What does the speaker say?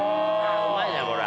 うまいねこれは。